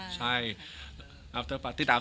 จะรักเธอเพียงคนเดียว